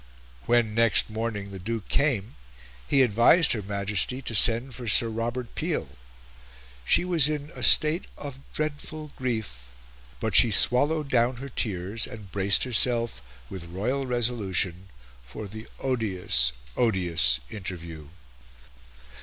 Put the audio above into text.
When, next morning, the Duke came, he advised her Majesty to send for Sir Robert Peel. She was in "a state of dreadful grief," but she swallowed down her tears, and braced herself, with royal resolution, for the odious, odious interview.